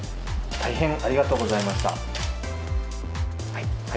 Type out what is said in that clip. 大変ありがとうございました。